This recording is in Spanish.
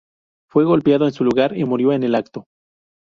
Fue golpeado en su lugar, y murió en el acto.